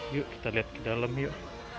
yuk kita lihat ke dalam yuk